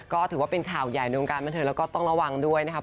ก็ถือว่าเป็นข่าวใหญ่ในวงการบันเทิงแล้วก็ต้องระวังด้วยนะครับ